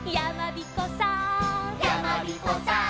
「やまびこさん」